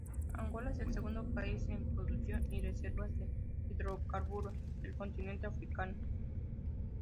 Angola es el segundo país en producción y reservas de hidrocarburos del continente africano.